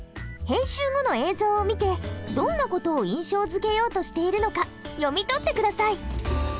編集後の映像を見てどんな事を印象づけようとしているのか読み取って下さい。